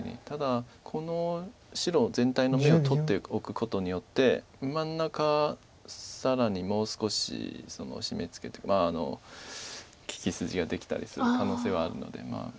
ただこの白全体の眼を取っておくことによって真ん中更にもう少しシメツケて利き筋ができたりする可能性はあるので。